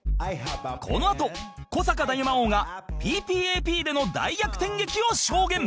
このあと古坂大魔王が『ＰＰＡＰ』での大逆転劇を証言